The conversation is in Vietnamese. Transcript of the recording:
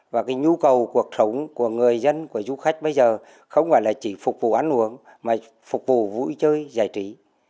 và cái nhu cầu cuộc sống của người dân của du khách bây giờ không phải là chỉ phục vụ ăn uống mà phục vụ vui chơi giải trí